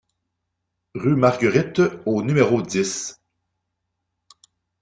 Rue Marguerite au numéro dix